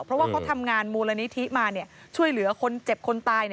เพราะว่าเขาทำงานมูลนิธิมาช่วยเหลือคนเจ็บคนตาย